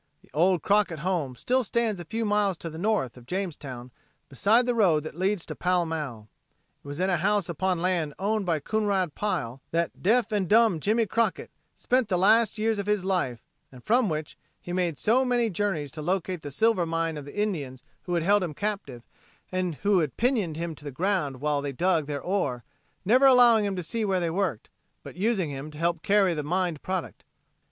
The old Crockett home still stands a few miles to the north of Jamestown beside the road that leads to Pall Mall. It was in a house upon land owned by Coonrod Pile that "Deaf and Dumb Jimmy Crockett" spent the last years of his life, and from which he made so many journeys to locate the silver mine of the Indians who had held him captive and who pinioned him to the ground while they dug their ore, never allowing him to see where they worked, but using him to help carry the mined product.